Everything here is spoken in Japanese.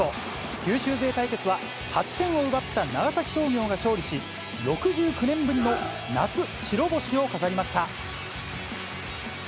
九州勢対決は、８点を奪った長崎商業が勝利し、６９年ぶりの夏白星を飾りました。